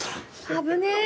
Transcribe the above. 危ねえ。